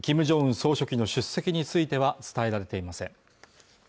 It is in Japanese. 総書記の出席については伝えられていません